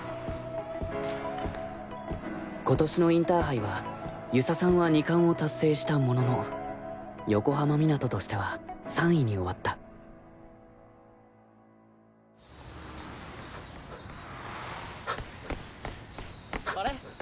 今年のインターハイは遊佐さんは二冠を達成したものの横浜湊としては３位に終わったあれ？